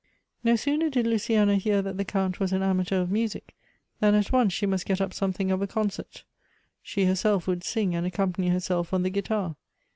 No sooner did Luciana hear that the Count was an amateur of music, than at once she must get up something of a concert. She herself would sing and accompany herself on the guitar.